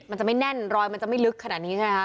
มันจะไม่แน่นรอยมันจะไม่ลึกขนาดนี้ใช่ไหมคะ